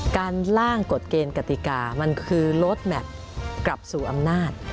การล่างกฎเกณฑ์กติกามันคือลดแมพกลับสู่อำนาจ